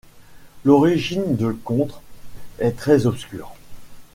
L'origine de Contres est très obscure.